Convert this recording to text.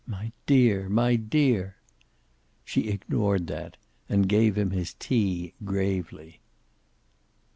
My dear! My dear!" She ignored that, and gave him his tea, gravely.